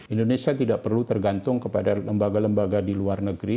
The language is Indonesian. indonesia tidak perlu tergantung kepada lembaga lembaga di luar negeri